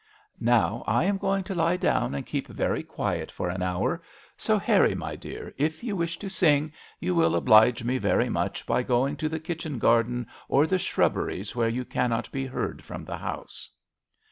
Now I am going to lie down and keep very quiet for an hour, so Harry, my dear, if you wish to sing, you will oblige me very much by going to the kitchen garden or the shrubberies where you cannot be heard from the house."